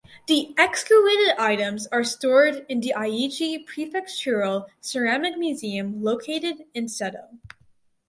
The excavated items are stored in the Aichi Prefectural Ceramic Museum located in Seto.